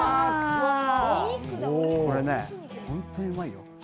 これ本当にうまいよ。